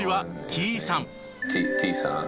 Ｔさん。